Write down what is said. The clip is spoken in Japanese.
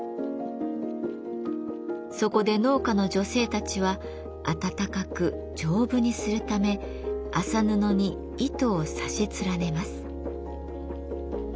そこで農家の女性たちはあたたかく丈夫にするため麻布に糸を刺し連ねます。